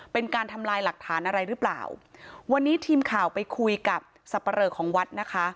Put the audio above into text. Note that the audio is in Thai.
เป็นการทำลายหลักฐานอะไรหรือเปล่าวันนี้ทีมข่าวไปคุยกับสับปะเรอของวัดนะคะ